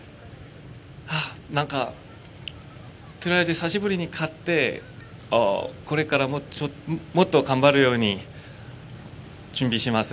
なんかとりあえず久しぶりに勝って、これからももっと頑張るように準備します。